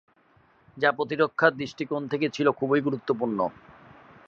যা প্রতিরক্ষার দৃষ্টিকোণ থেকে ছিল খুবই গুরুত্বপূর্ণ।